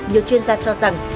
nhiều chuyên gia cho rằng